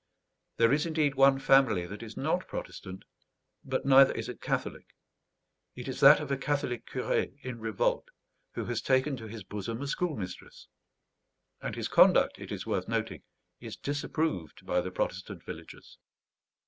There is, indeed, one family that is not Protestant, but neither is it Catholic. It is that of a Catholic curé in revolt, who has taken to his bosom a schoolmistress. And his conduct, it is worth noting, is disapproved by the Protestant villagers.